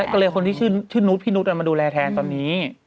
ก็เลยคนที่ชื่อนุษย์พี่นุษย์มาดูแลแทนตอนนี้